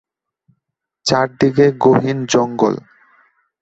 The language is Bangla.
চারদিকে গহীন জঙ্গল।